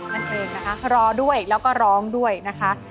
นางร้องนั่นเลยนะคะรอด้วยแล้วก็ร้องด้วยนะคะ